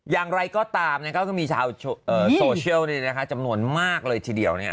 อย่างไรก็ตามนะครับก็มีชาวโซเชียลจำนวนมากเลยทีเดียวเนี่ย